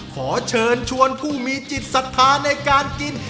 ขอเชิญชวนผู้มีจิตศรัทธาในการกิน